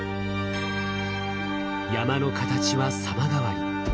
山の形は様変わり。